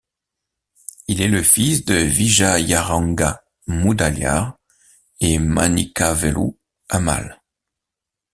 Il est le fils de Vijayaranga Mudaliar et Manickavelu Ammal.